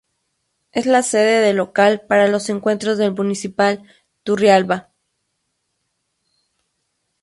Es la sede de local para los encuentros del Municipal Turrialba.